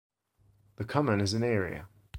The Common is in area.